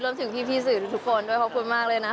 ถึงพี่สื่อทุกคนด้วยขอบคุณมากเลยนะ